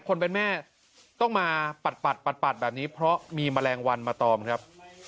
คนเป็นแม่ต้องมาปัดแบบนี้เพราะมีแมลงวันมาตอมครับ